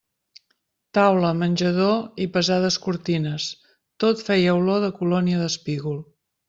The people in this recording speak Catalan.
Taula, menjador i pesades cortines, tot feia olor de colònia d'espígol.